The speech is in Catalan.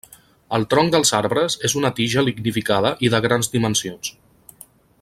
El tronc dels arbres és una tija lignificada i de grans dimensions.